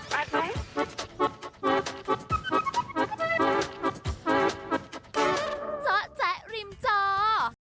โปรดติดตามตอนต่อไป